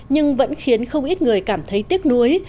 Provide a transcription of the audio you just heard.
nhưng vẫn khiến không ít người cảm thấy tiếc nuối